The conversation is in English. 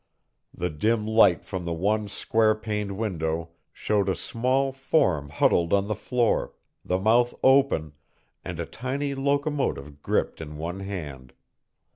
The dim light from the one square paned window showed a small form huddled on the floor, the mouth open, and a tiny locomotive gripped in one hand.